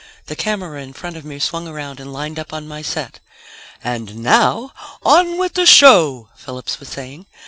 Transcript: The camera in front of me swung around and lined up on my set. "... And now, on with the show," Phillips was saying.